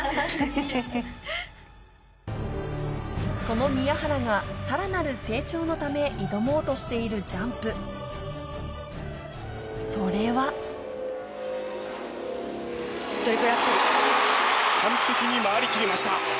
その宮原がさらなる成長のため挑もうとしているジャンプそれは完璧に回り切りました。